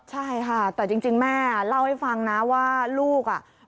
ใช่ค่ะแต่จริงแม่เล่าให้ฟังนะว่าลูกอ่ะ